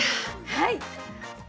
はい。